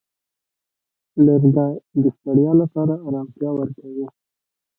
لرګی د ستړیا لپاره آرامتیا ورکوي.